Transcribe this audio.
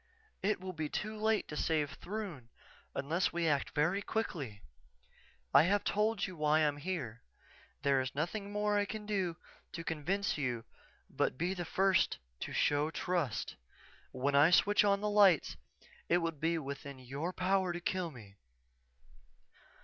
"_It will be too late to save Throon unless we act very quickly. I have told you why I am here. There is nothing more I can do to convince you but be the first to show trust. When I switch on the lights it will be within your power to kill me.